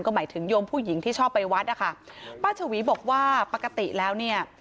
หมายถึงโยมผู้หญิงที่ชอบไปวัดนะคะป้าชวีบอกว่าปกติแล้วเนี่ย